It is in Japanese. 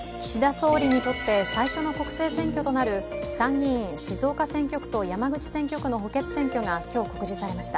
総理にとって最初の国政選挙となる参議院静岡選挙区と山口選挙区の補欠選挙が今日、告示されました。